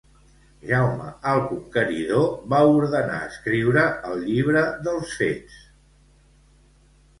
Jaume el Conqueridor va ordenar escriure el Llibre dels Fets.